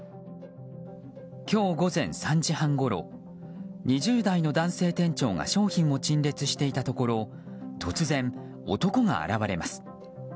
今日午前３時半ごろ２０代の男性店長が商品を陳列していたところ突然、男が現れます。